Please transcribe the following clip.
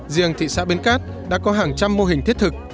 riêng thị xã bến cát đã có hàng trăm mô hình thiết thực